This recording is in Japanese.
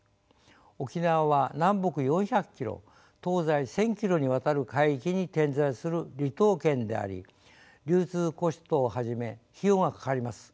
沖縄は南北４００キロ東西１，０００キロにわたる海域に点在する離島県であり流通コストをはじめ費用がかかります。